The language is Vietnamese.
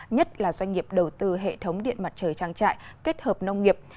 nhất là doanh nghiệp đầu tư hệ thống điện mặt trời trang trại kết hợp nông nghiệp